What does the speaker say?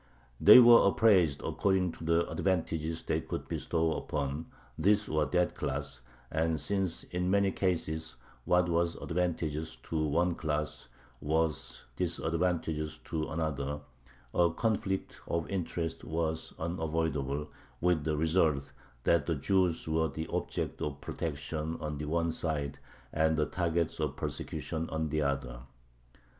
They were appraised according to the advantages they could bestow upon this or that class, and since in many cases what was advantageous to one class was disadvantageous to another, a conflict of interests was unavoidable, with the result that the Jews were the objects of protection on the one side and the targets of persecution on the other.